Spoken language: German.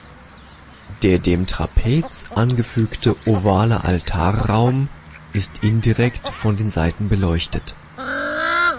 Der dem Trapez angefügte ovale Altarraum ist indirekt von den Seiten beleuchtet.